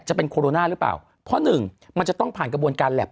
จะเป็นโคโรนาหรือเปล่าเพราะหนึ่งมันจะต้องผ่านกระบวนการแล็บ